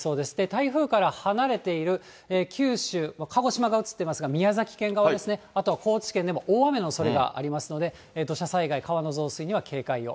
台風から離れている九州、鹿児島が映ってますが、宮崎県側ですね、あとは高知県でも大雨のおそれがありますので、土砂災害、川の増水には警戒を。